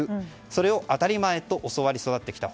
それを当たり前と教わり育ってきた。